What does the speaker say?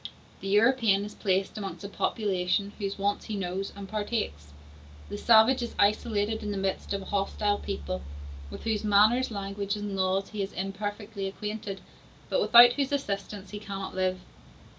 The European is placed amongst a population whose wants he knows and partakes. The savage is isolated in the midst of a hostile people, with whose manners, language, and laws he is imperfectly acquainted, but without whose assistance he cannot live.